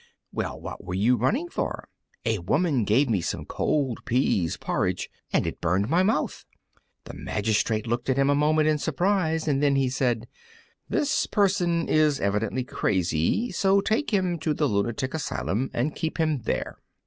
Well, what were you running for?" "A woman gave me some cold pease porridge, and it burned my mouth." The magistrate looked at him a moment in surprise, and then he said, "This person is evidently crazy; so take him to the lunatic asylum and keep him there."